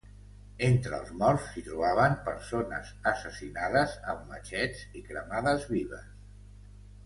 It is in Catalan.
Entre els morts s'hi trobaven persones assassinades amb matxets i cremades vives.